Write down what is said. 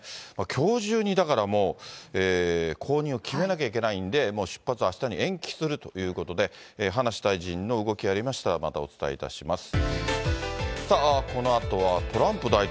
きょう中にだからもう、後任を決めなきゃいけないんで、もう出発あしたに延期するということで、葉梨大臣の動きありましたら、またお伝えいたします。